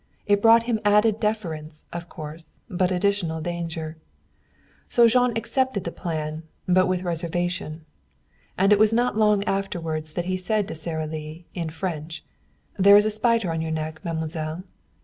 It brought him added deference, of course, but additional danger. So Jean accepted the plan, but with reservation. And it was not long afterward that he said to Sara Lee, in French: "There is a spider on your neck, mademoiselle."